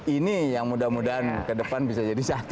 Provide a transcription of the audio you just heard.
ini yang mudah mudahan ke depan bisa jadi satu